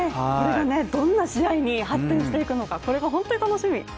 これがどんな試合に発展していくのかこれが本当に楽しみ。